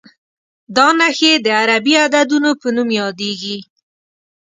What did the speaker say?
دا نښې د عربي عددونو په نوم یادېږي.